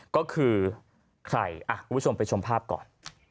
ก็คือใครคุณผู้ชมไปชมภาพก่อน